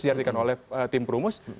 diartikan oleh tim perumus